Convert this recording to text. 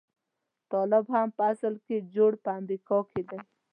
طالب هم په اصل کې جوړ په امريکا دی.